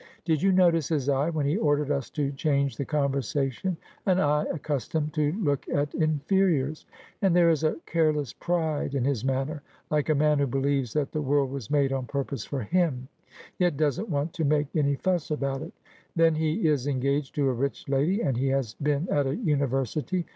Did you notice his eye when he ordered us to change the conversa tion, an eye accustomed to look at inferiors ? And there is a careless pride in his manner, like a man who believes that the world was made on purpose for him, yet doesn't want to make any fuss about it. Then he is engaged to a rich lady, and he has been at a university.